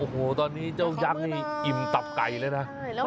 แล้วนี้เจ้ายักษ์เป็นเซล็ปไปเลยอะ